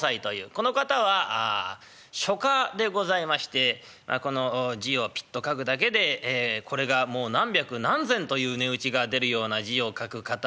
この方は書家でございましてこの字をピッと書くだけでこれがもう何百何千という値打ちが出るような字を書く方。